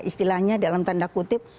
istilahnya dalam tanda kutip